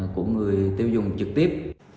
của người tiêu dùng trực tiếp